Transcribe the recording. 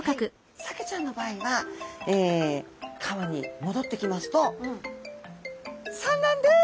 サケちゃんの場合は川に戻ってきますと産卵です。